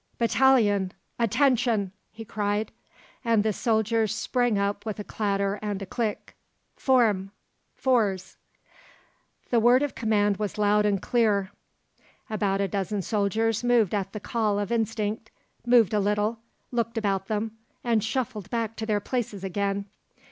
"Battalion, attention!" he cried, and the soldiers sprang up with a clatter and a click. "Form, fours." The word of command was loud and clear. About a dozen soldiers moved at the call of instinct moved a little looked about them, and shuffled back to their places again.